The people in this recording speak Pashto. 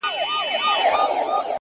اراده ناممکن کارونه ممکنوي